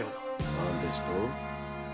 何ですと？